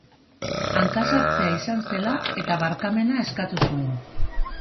Hankasartzea izan zela eta barkamena eskatu zuen.